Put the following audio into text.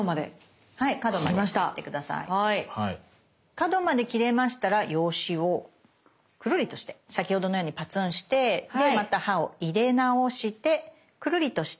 角まで切れましたら用紙をくるりとして先ほどのようにパツンしてでまた刃を入れ直してくるりとして。